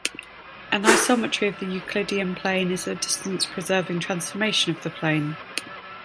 An isometry of the Euclidean plane is a distance-preserving transformation of the plane.